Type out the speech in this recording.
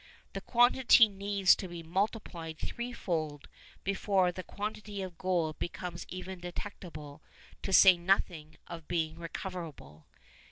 The quantity needs to be multiplied threefold before the quantity of gold becomes even detectable, to say nothing of being recoverable.